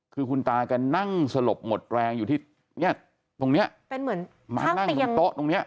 คือคุณตาก็นั่งสลบหมดแรงอยู่ที่เนี่ยตรงเนี้ยเป็นเหมือนข้างเตียงโต๊ะตรงเนี้ย